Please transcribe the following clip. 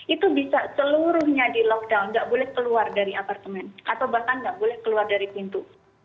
itu bisa seluruhnya di lockdown gak boleh keluar dari apartemen atau bahkan gak boleh keluar dari pintu